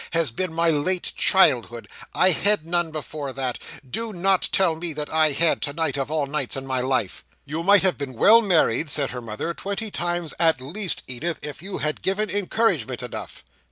Has been my late childhood? I had none before. Do not tell me that I had, tonight of all nights in my life!" "You might have been well married," said her mother, "twenty times at least, Edith, if you had given encouragement enough."